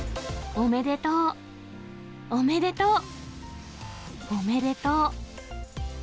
おめでとう、おめでとう、おめでとう。